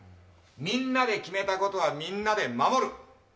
みんなで決めたことはみんなで守る。